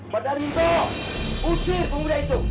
padahal minta usir pengguna itu